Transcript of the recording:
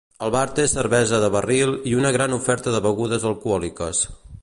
El bar té cervesa de barril i una gran oferta de begudes alcohòliques.